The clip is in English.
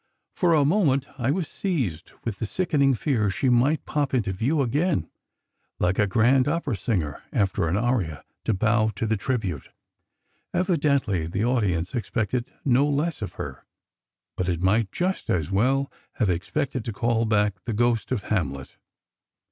For a moment I was seized with the sickening fear she might pop into view again, like a grand opera singer after an aria, to bow to the tribute. Evidently, the audience expected no less of her. But it might just as well have expected to call back the Ghost in "Hamlet."